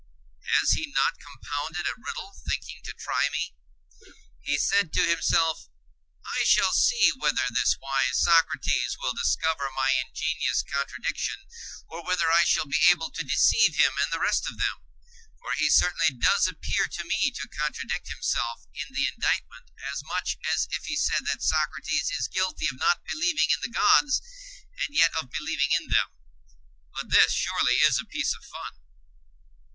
Has he not compounded a riddle, thinking to try me? He said to himself: I shall see whether this wise Socrates will discover my ingenious contradiction, or whether I shall be able to deceive him and the rest of them. For he certainly does appear to me to contradict himself in the indictment as much as if he said that Socrates is guilty of not believing in the gods, and yet of believing in them—but this surely is a piece of fun.